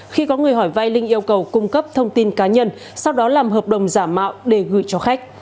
khi có người hỏi vai linh yêu cầu cung cấp thông tin cá nhân sau đó làm hợp đồng giả mạo để gửi cho khách